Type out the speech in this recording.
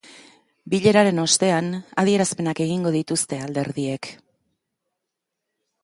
Bileraren ostean, adierazpenak egingo dituzte alderdiek.